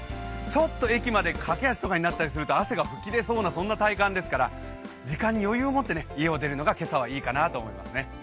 ちょっと駅まで駆け足となると汗が噴き出そうな、そんな体感ですから時間に余裕を持って家を出るのが今朝はいいかなと思いますね。